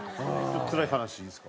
つらい話いいですか？